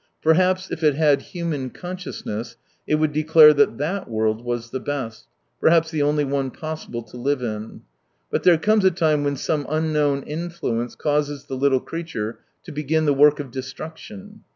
Perhaps if it had human consciousness it would declare that that world was the best, perhaps the only one possible to live in. But there comes a time when some unknown influence causes the little creature to begin the work of destruc tion.